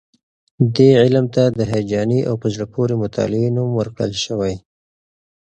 دې علم ته د هیجاني او په زړه پورې مطالعې نوم ورکړل شوی.